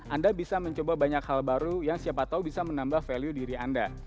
anda bisa mencoba banyak hal baru yang siapa tahu bisa menambah value diri anda